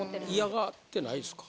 嫌がってないんですか？